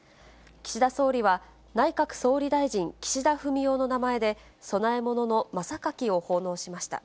岸田総理は、内閣総理大臣・岸田文雄の名前で、供え物の真榊を奉納しました。